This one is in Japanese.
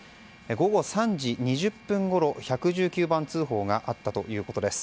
午後３時２０分ごろ１１９番通報があったということです。